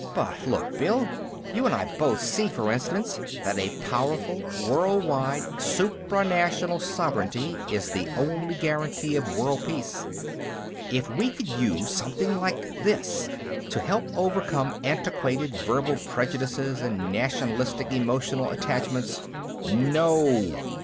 But look, Bill. You and I both see, for instance, that a powerful world wide supra national sovereignty is the only guarantee of world peace. If we could use something like this to help overcome antiquated verbal prejudices and nationalistic emotional attachments...." "No!"